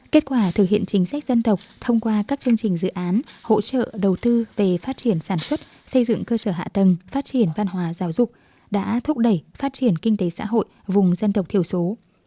kết quả thực hiện chính sách dân tộc thông qua các chương trình dự án hỗ trợ đầu tư về phát triển sản xuất xây dựng cơ sở hạ tầng phát triển văn hóa giáo dục đã thúc đẩy phát triển kinh tế xã hội vùng dân tộc thiểu số